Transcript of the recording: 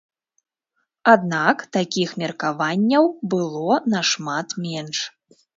Аднак такіх меркаванняў было нашмат менш.